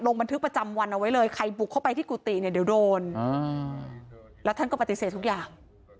แล้วท่านก็ปฏิเสธทุกอย่าง